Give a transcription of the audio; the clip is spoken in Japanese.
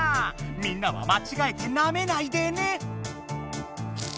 みんなはまちがえてなめないでね！